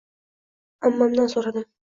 ammamdan so’radim: